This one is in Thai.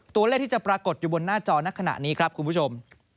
ตัวเลขที่จะปรากฏอยู่บนหน้าจอในขณะนี้ครับคุณผู้ชม